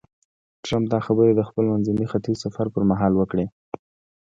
ټرمپ دا خبرې د خپل منځني ختیځ سفر پر مهال وکړې.